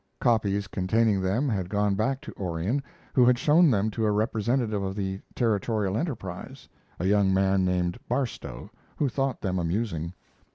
Copies containing them had gone back to Orion, who had shown them to a representative of the Territorial Enterprise, a young man named Barstow, who thought them amusing.